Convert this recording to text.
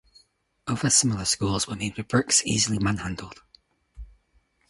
Other similar schools were made with bricks easily manhandled.